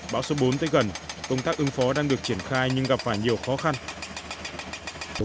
bão số bốn tới gần công tác ứng phó đang được triển khai nhưng gặp phải nhiều khó khăn